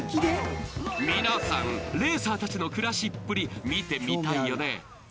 皆さん、レーサーたちの暮らしっぷり見てみたいよね。